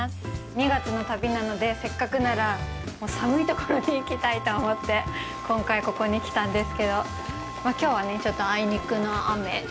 ２月の旅なので、せっかくなら寒いところに行きたいと思って今回、ここに来たんですけどきょうは、あいにくの雨。